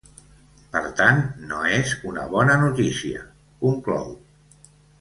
“Per tant, no és una bona notícia”, conclou.